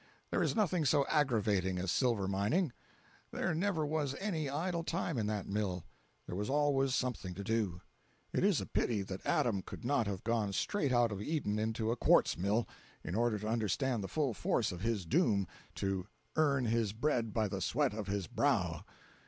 There is nothing so aggravating as silver milling. There never was any idle time in that mill. There was always something to do. It is a pity that Adam could not have gone straight out of Eden into a quartz mill, in order to understand the full force of his doom to "earn his bread by the sweat of his brow."